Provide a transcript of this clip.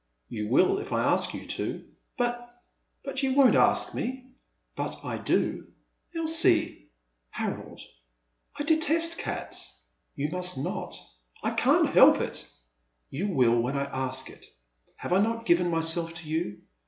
" You will if I ask you to. " But — ^but you won*t ask me. "But I do. "Elsie! ' "Harold! "I detest cats.*' "You must not." I can't help it." You will when I ask it. Have I not given myself to you?